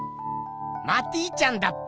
マティちゃんだっぺ。